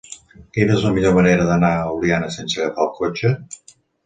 Quina és la millor manera d'anar a Oliana sense agafar el cotxe?